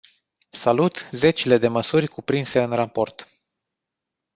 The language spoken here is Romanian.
Salut zecile de măsuri cuprinse în raport.